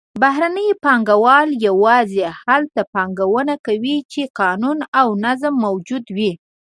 بهرني پانګهوال یوازې هلته پانګونه کوي چې قانون او نظم موجود وي.